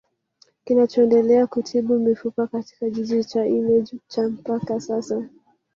Kinachoendelea kutibu mifupa katika kijiji cha Image cha mpaka sasa